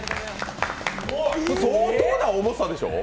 相当な重さでしょう？